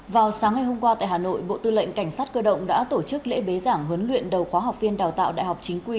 vào sáng ngày hôm qua tại hà nội bộ tư lệnh cảnh sát cơ động đã tổ chức lễ bế giảng huấn luyện đầu khóa học viên đào tạo đại học chính quy